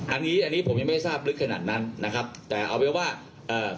อันนี้อันนี้ผมยังไม่ทราบลึกขนาดนั้นนะครับแต่เอาเป็นว่าเอ่อ